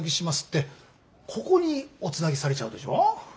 ここにおつなぎされちゃうでしょ？